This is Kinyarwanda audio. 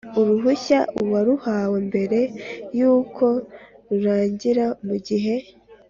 Uruhushya uwaruhawe mbere y uko rurangira mu gihe